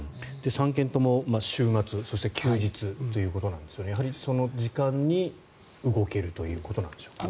３件とも週末そして休日ということなんですがやはり、その時間に動けるということなんでしょうかね。